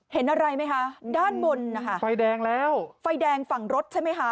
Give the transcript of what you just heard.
เห็นอะไรไหมคะด้านบนนะคะไฟแดงแล้วไฟแดงฝั่งรถใช่ไหมคะ